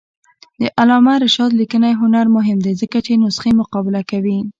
د علامه رشاد لیکنی هنر مهم دی ځکه چې نسخې مقابله کوي.